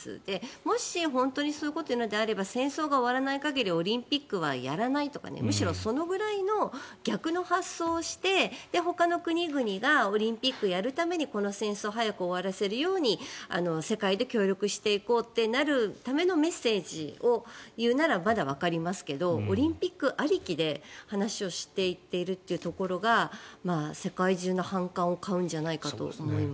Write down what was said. もし、本当にそういうことを言うのであれば戦車が終わらない限りオリンピックはやらないぐらいの逆の発想をしてほかの国々がオリンピックをやるためにこの戦争を早く終わらせるために世界で協力していこうとなるためのメッセージを言うならまだわかりますけどオリンピックありきで話をしていっているところが世界中の反感を買うんじゃないかと思います。